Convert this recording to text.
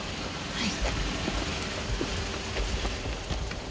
はい。